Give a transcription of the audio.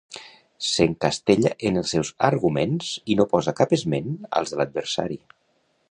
S'encastella en els seus arguments i no posa cap esment als de l'adversari.